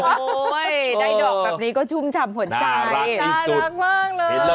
ได้ดอกแบบนี้ก็ชุ่มฉ่ำหัวใจน่ารักที่สุดน่ารักมากเลย